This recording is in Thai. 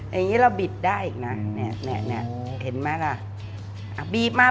อย่างงี้เราบีบได้อีกน่ะเนี้ยเนี้ยเนี้ยเห็นไหมล่ะอ่ะบีบมา